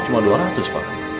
cuma dua ratus pak